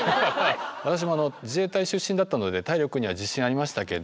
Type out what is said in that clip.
私もあの自衛隊出身だったので体力には自信ありましたけど